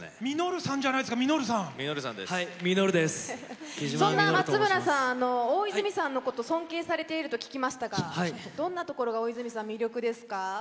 そんな松村さんは大泉さんのことを尊敬されていると聞きましたがどんなところが大泉さんは魅力ですか？